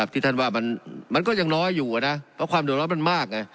ที่ท่านว่ามันก็ยังน้อยอยู่นะเพราะความเดือดร้อนมันมากไง